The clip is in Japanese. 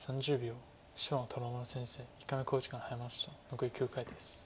残り９回です。